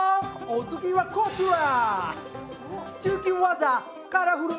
お次はこちら！